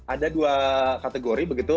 ada dua kategori begitu